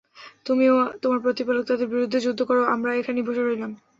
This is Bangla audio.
তুমি ও তোমার প্রতিপালক তাদের বিরুদ্ধে যুদ্ধ কর, আমরা এখানেই বসে রইলাম।